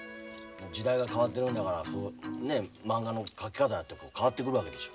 時代が変わってるんだからまんがの描き方だって変わってくるわけでしょ。